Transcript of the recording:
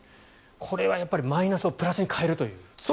これはマイナスをプラスに変えるという。